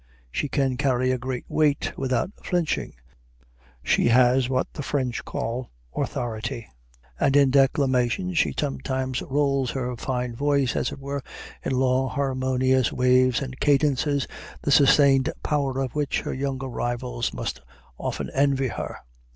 She can carry a great weight without flinching; she has what the French call "authority"; and in declamation she sometimes unrolls her fine voice, as it were, in long harmonious waves and cadences the sustained power of which her younger rivals must often envy her.